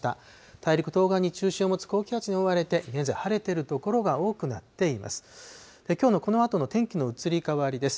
大陸東岸に中心を持つ高気圧に覆われて、現在、晴れてる所が多くなっています。